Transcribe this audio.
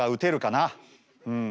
うん。